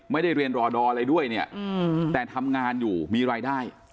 ไม่ได้เรียนรอดออะไรด้วยเนี่ยแต่ทำงานอยู่มีรายได้